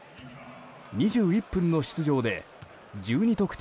２１分の出場で１２得点